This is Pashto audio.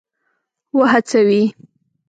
وهڅوي.